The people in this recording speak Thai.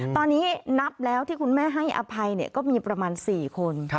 ตอนนี้นับแล้วที่คุณแม่ให้อภัยก็มีประมาณ๔คน